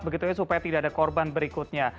begitunya supaya tidak ada korban berikutnya